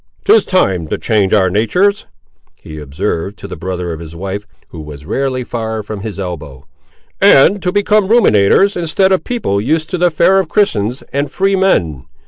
"'Tis time to change our natur's," he observed to the brother of his wife, who was rarely far from his elbow; "and to become ruminators, instead of people used to the fare of Christians and free men.